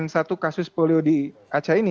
karena satu kasus polio di aceh ini